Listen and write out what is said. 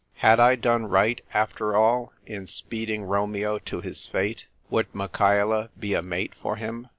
Had I done right, after all, in speeding Romeo to his fate? Would Michaela be a mate for him